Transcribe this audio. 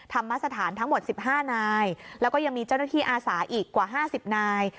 ทำมาสถานทั้งหมดสิบห้านายแล้วก็ยังมีเจ้าหน้าที่อาสาอีกกว่าห้าสิบนาย